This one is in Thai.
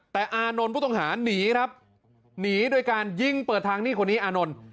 แต่อานนท์ผู้ต้องหาหนีครับหนีโดยการยิงเปิดทางนี่คนนี้อานนท์